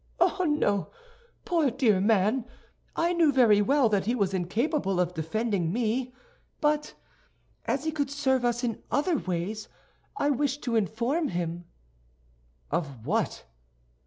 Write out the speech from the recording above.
"Oh, no, poor dear man! I knew very well that he was incapable of defending me; but as he could serve us in other ways, I wished to inform him." "Of what?"